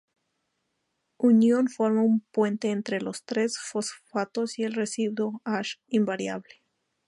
Un ion forma un puente entre los tres fosfatos y el residuo Asn invariable.